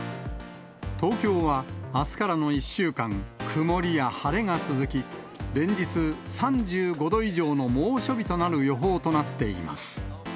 東京はあすからの１週間、曇りや晴れが続き、連日、３５度以上の猛暑日となる予報となっています。